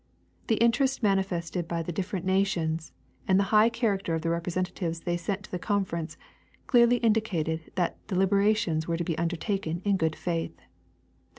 The interest manifested by the differ ent nations and the high character of the representatives they sent to the conference clearly indicated that deliberations were to l)e undertaken in good faith.